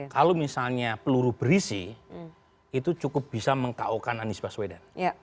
kalau misalnya peluru berisi itu cukup bisa mengkaokan anies baswedan